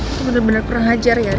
itu bener bener kurang hajar ya ri